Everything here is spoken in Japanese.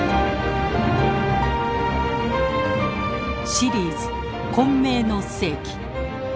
シリーズ「混迷の世紀」。